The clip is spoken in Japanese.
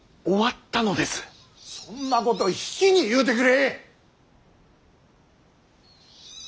そんなこと比企に言うてくれ！